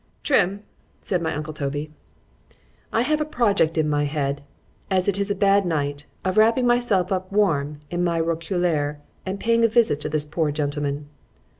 Trim! said my uncle Toby, I have a project in my head, as it is a bad night, of wrapping myself up warm in my roquelaure, and paying a visit to this poor gentleman.